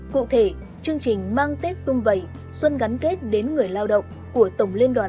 cụ thể chương trình mang tết xung vầy xuân gắn kết đến người lao động của tổng liên đoàn